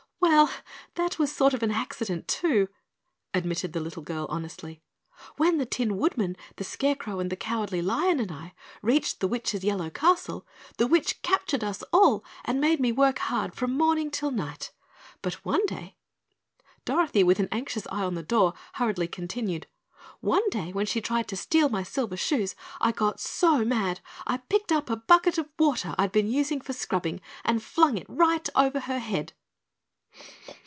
"Well, that was sort of an accident, too," admitted the little girl honestly. "When the Tin Woodman, the Scarecrow, and the Cowardly Lion and I reached the witch's yellow castle, the witch captured us all and made me work hard from morning till night. But one day," Dorothy with an anxious eye on the door hurriedly continued, "one day when she tried to steal my silver shoes, I got SO mad I picked up a bucket of water I'd been using for scrubbing and flung it right over her head."